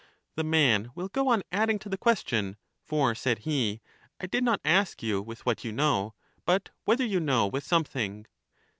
The man will go on adding to the question; for, said he, I did not ask you with what you know, but whether you know with something.